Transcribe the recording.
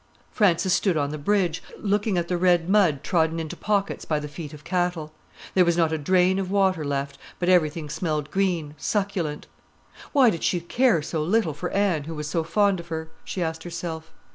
Frances stood on the bridge, looking at the red mud trodden into pockets by the feet of cattle. There was not a drain of water left, but everything smelled green, succulent. Why did she care so little for Anne, who was so fond of her? she asked herself.